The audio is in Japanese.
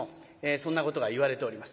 そんなことがいわれております。